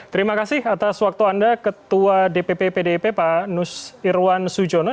terima kasih atas waktu anda ketua dpp pdip pak nus irwan sujono